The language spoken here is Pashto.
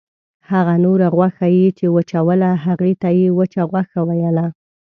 هغه نوره غوښه یې چې وچوله هغې ته یې وچه غوښه ویله.